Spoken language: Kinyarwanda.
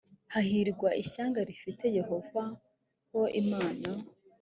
hahirwa ishyanga rifite yehova ho imana